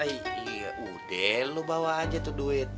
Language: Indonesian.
iya udah lu bawa aja tuh duit